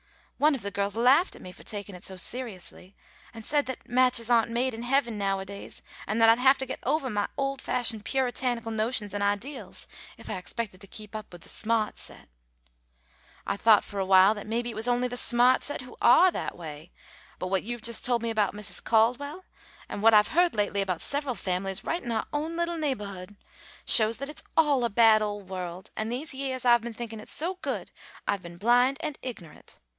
One of the girls laughed at me for taking it so seriously, and said that matches aren't made in heaven nowadays, and that I'd have to get ovah my old fashioned Puritanical notions and ideals if I expected to keep up with the sma'ht set. I thought for awhile that maybe it was only the sma'ht set who are that way, but what you've just told me about Mrs. Cadwell, and what I've heard lately about several families right in our own little neighbahhood, shows that it's all a bad old world, and these yeahs I've been thinking it so good I've been blind and ignorant.